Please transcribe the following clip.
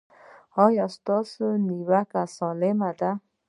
ایا ستاسو نیوکه سالمه ده؟